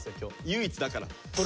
唯一だから。